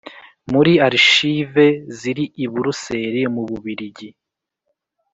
muri archivesziri i Buruseli mu Bubiligi